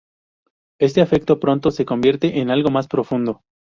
Este afecto pronto se convierte en algo más profundo.